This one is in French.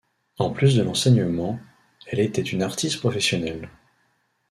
En plus de l'enseignement, elle était une artiste professionnelle.